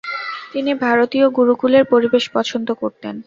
তিনি ভারতীয় গুরুকূলের পরিবেশ পছন্দ করতেন।